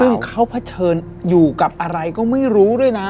ซึ่งเขาเผชิญอยู่กับอะไรก็ไม่รู้ด้วยนะ